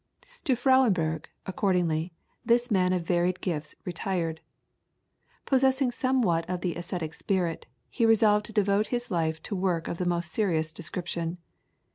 To Frauenburg, accordingly, this man of varied gifts retired. Possessing somewhat of the ascetic spirit, he resolved to devote his life to work of the most serious description.